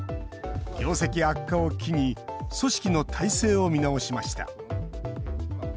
業績悪化を機に組織の体制を見直しました。